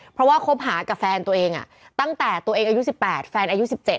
เพราะว่าคบหากับแฟนตัวเองตั้งแต่ตัวเองอายุ๑๘แฟนอายุ๑๗